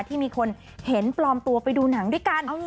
ที่มีคนเห็นปลอมตัวไปดูหนังด้วยกัน